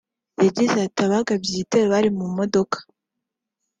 yagize ati’ “Abagabye ibitero bari mu modoka